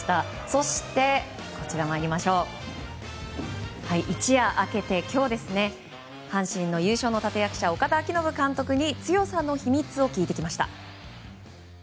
そして、一夜明けて今日阪神の優勝の立役者岡田彰布監督に強さの秘密を聞いてきました。